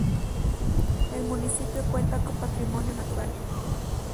El municipio cuenta con un rico patrimonio natural.